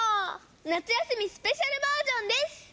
なつやすみスペシャルバージョンです！